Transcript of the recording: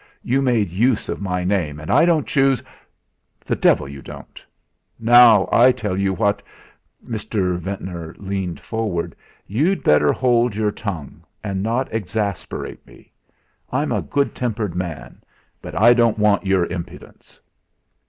You made use of my name, and I don't choose " "The devil you don't! Now, I tell you what " Mr. Ventnor leaned forward "you'd better hold your tongue, and not exasperate me. I'm a good tempered man, but I won't stand your impudence."